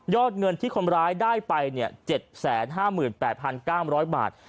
เงินที่คนร้ายได้ไป๗๕๘๙๐๐บาท